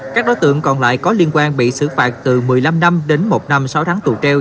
các đối tượng còn lại có liên quan bị xử phạt từ một mươi năm năm đến một năm sáu tháng tù treo